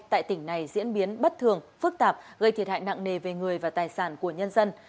tại tỉnh này diễn biến bất thường phức tạp gây thiệt hại nặng nề về người và tài sản của nhân dân